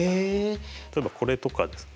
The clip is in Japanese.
例えばこれとかです